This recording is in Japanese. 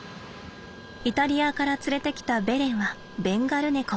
イタリアから連れてきたベレンはベンガル猫。